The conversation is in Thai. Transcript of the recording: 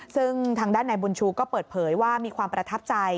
ซึ่งทางด้านนายบุญชูก็เปิดเผยว่ามีความประทับใจ